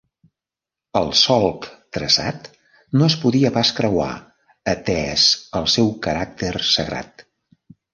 El solc traçat no es podia pas creuar atès al seu caràcter sagrat.